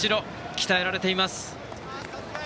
鍛えられています。